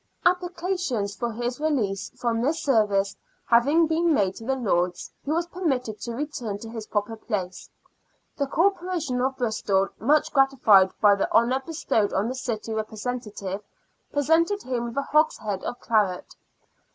Applications for his release from this service having been made to the Lords, he was permitted to return to his proper place. The Corporation of Bristol, much gratified by the honour bestowed on the city representative, presented him with a hogshead of claret.